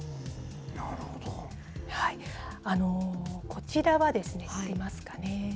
こちらは、出ますかね。